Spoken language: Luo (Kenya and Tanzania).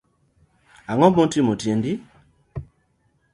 Angomotimo tiendi?